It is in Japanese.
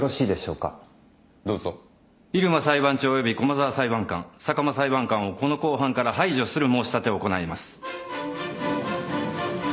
入間裁判長および駒沢裁判官坂間裁判官をこの公判から排除する申し立てを行います。